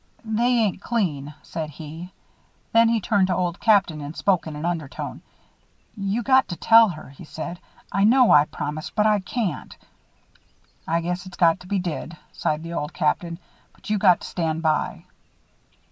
"They ain't clean," said he. Then he turned to Old Captain and spoke in an undertone. "You got to tell her," he said. "I know I promised, but I can't." "I guess it's got to be did," sighed the Old Captain, "but you got to stand by."